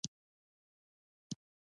ګنجګل دسرکاڼو ولسوالۍ يو غرنۍ سيمه ده